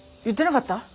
言ってなかった？